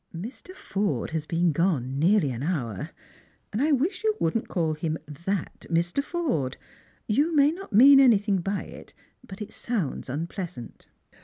" Mr. Forde has been gone nearly an hour. I wish you wouldn't call him that Mr. Forde. You may not mean any thing by it, but it sounds unpleasant."